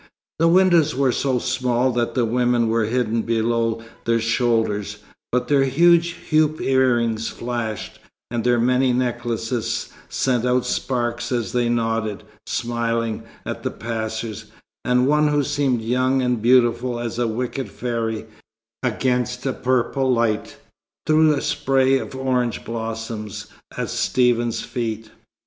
The windows were so small that the women were hidden below their shoulders, but their huge hoop earrings flashed, and their many necklaces sent out sparks as they nodded, smiling, at the passers; and one who seemed young and beautiful as a wicked fairy, against a purple light, threw a spray of orange blossoms at Stephen's feet.